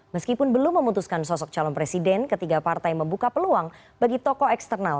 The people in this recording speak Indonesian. meskipun belum memutuskan sosok calon presiden ketiga partai membuka peluang bagi tokoh eksternal